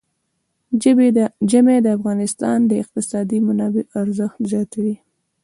ژمی د افغانستان د اقتصادي منابعو ارزښت زیاتوي.